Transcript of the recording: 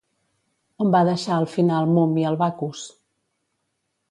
On va deixar al final Mummi el Baccus?